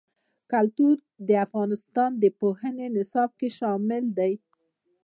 کلتور د افغانستان د پوهنې نصاب کې شامل دي.